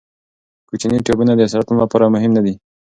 کوچني ټپونه د سرطان لپاره مهم نښې دي.